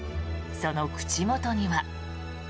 その口元には。